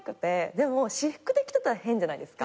でも私服で着てたら変じゃないですか。